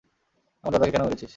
আমার দাদাকে কেন মেরেছিস?